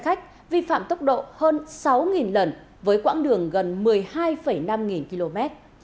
xe khách vi phạm tốc độ hơn sáu lần với quãng đường gần một mươi hai năm km